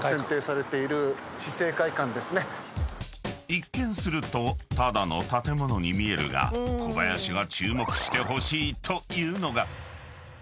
［一見するとただの建物に見えるが小林が注目してほしいというのが］